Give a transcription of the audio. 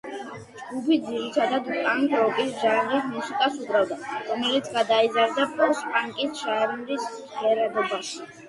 ჯგუფი ძირითადად პანკ-როკის ჟანრის მუსიკას უკრავდა, რომელიც გადაიზარდა პოსტ-პანკის ჟანრის ჟღერადობაში.